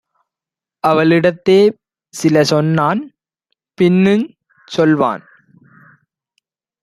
அவளிடத்தே சிலசொன்னான். பின்னுஞ் சொல்வான்: